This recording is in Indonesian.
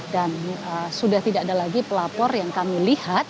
dan sudah tidak ada lagi pelapor yang kami lihat